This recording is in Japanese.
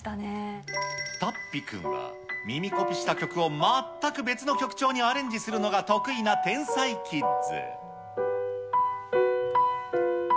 たっぴ君は耳コピした曲を全く別の曲調にアレンジするのが得意な天才キッズ。